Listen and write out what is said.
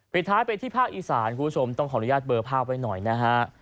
ปิดท้ายไปที่ภาคอีสานคุณผู้ชมต้องขออนุญาตเบอร์ภาพไว้หน่อยนะฮะ